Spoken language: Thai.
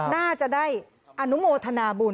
น่าจะได้อนุโมทนาบุญ